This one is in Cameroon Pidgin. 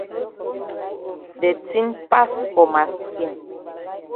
De tin pass for ma skin.